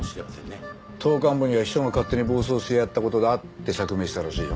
党幹部には秘書が勝手に暴走してやった事だって釈明したらしいよ。